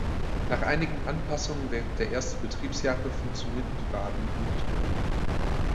Nach einigen Anpassungen während der ersten Betriebsjahre funktionierten die Wagen gut.